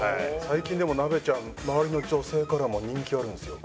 最近でもナベちゃん周りの女性からも人気あるんですよ。